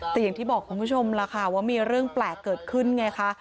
แต่อย่างที่บอกคุณผู้ชมล่ะค่ะว่ามีเรื่องแปลกเกิดขึ้นไงคะ